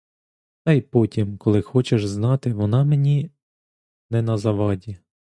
Та й потім, коли хочеш знати, вона мені не на заваді.